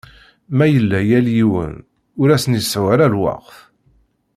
Ma yella yal yiwen ur asen-iseɛɛu ara lweqt.